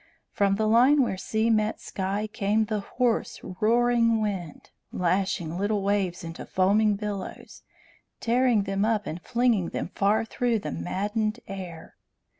From the line where sea met sky came the hoarse, roaring wind, lashing little waves into foaming billows, tearing them up and flinging them far through the maddened air.